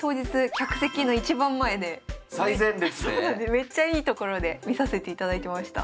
めっちゃいい所で見させていただきました。